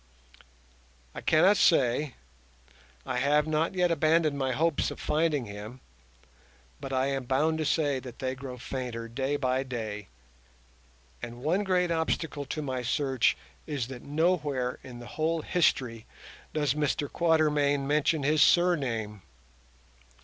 I cannot say, I have not yet abandoned my hopes of finding him, but I am bound to say that they grow fainter day by day, and one great obstacle to my search is that nowhere in the whole history does Mr Quatermain mention his surname.